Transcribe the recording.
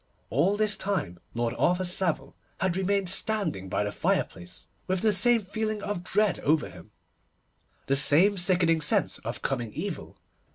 All this time Lord Arthur Savile had remained standing by the fireplace, with the same feeling of dread over him, the same sickening sense of coming evil.